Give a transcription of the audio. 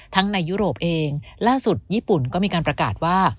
ในยุโรปเองล่าสุดญี่ปุ่นก็มีการประกาศว่า